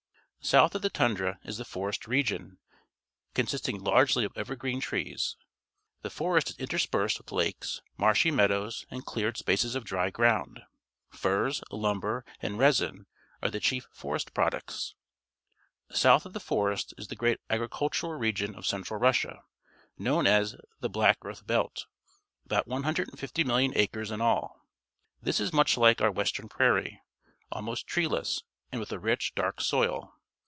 South of the tundra is the forest region, consisting largely of evergreen trees. The forest is interspersed with lakes, marshy meadows, and cleared spaces of dry ground. Furs, lumber, and resin are the chief forest pro ducts. South of the forest is the great agricultural region of central Russia, known as the "black earth belt," about 150,000,000 acres in all. Tliis is much like our western prairie, almost treele.ss, and with a rich, dark soil.